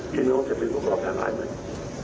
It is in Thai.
พี่น้องจะเป็นประกาศหลายหมด